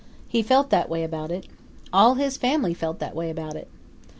He felt that way about it. All his family felt that way about it.